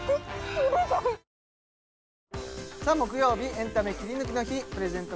エンタメキリヌキの日プレゼント